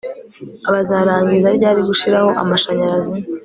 Bazarangiza ryari gushiraho amashanyarazi